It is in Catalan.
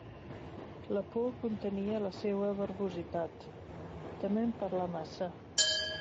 La por contenia la seua verbositat, tement parlar massa.